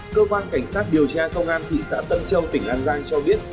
cơ quan cảnh sát điều tra công an thị xã tân châu tỉnh an giang cho biết